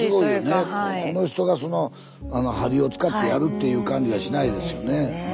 この人が針を使ってやるっていう感じがしないですよね。